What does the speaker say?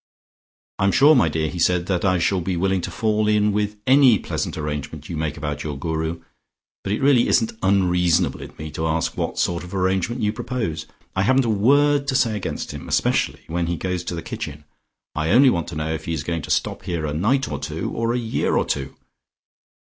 "I'm sure, my dear," he said, "that I shall be willing to fall in with any pleasant arrangement about your Guru, but it really isn't unreasonable in me to ask what sort of arrangement you propose. I haven't a word to say against him, especially when he goes to the kitchen; I only want to know if he is going to stop here a night or two or a year or two.